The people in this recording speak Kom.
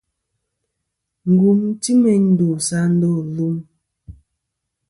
Ngùm ti meyn ndu sɨ a ndô lum.